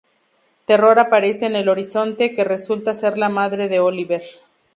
Terror aparece en el horizonte, que resulta ser la madre de Oliver.